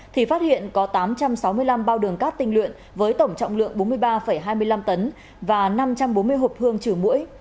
thì phát hiện có tám trăm sáu mươi năm bao đường cát tinh luyện với tổng trọng lượng bốn mươi ba hai mươi năm tấn và năm trăm bốn mươi hộp thương trừ mũi